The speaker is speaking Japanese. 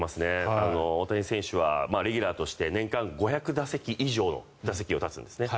大谷選手はレギュラーとして年間５００打席以上の打席に立つんですね。